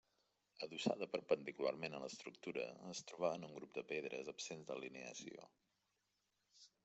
Adossada perpendicularment a l'estructura es trobaven un grup de pedres absents d'alineació.